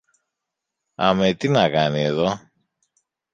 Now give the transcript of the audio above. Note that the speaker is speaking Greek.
Αμέ τι να κάνει εδώ;